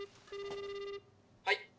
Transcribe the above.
はい。